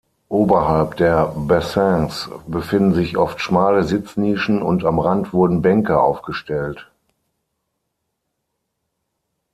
Oberhalb der Bassins befinden sich oft schmale Sitznischen und am Rand wurden Bänke aufgestellt.